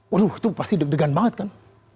waduh itu pasti deg degan banget kan